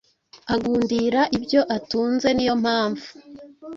agundira ibyo atunze niyo mpamvu